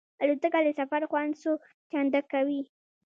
الوتکه د سفر خوند څو چنده کوي.